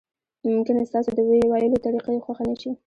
ممکن ستاسو د ویلو طریقه یې خوښه نشي.